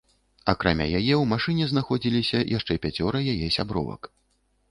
Акрамя яе ў машыне знаходзіліся яшчэ пяцёра яе сябровак.